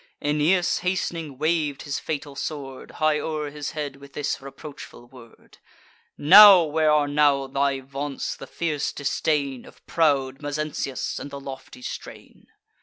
Aeneas, hast'ning, wav'd his fatal sword High o'er his head, with this reproachful word: "Now; where are now thy vaunts, the fierce disdain Of proud Mezentius, and the lofty strain?"